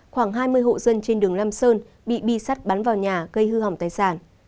khoảng hai mươi hộ dân trên đường lam sơn bị bi sắt bắn vào nhà gây hư hỏng tài sản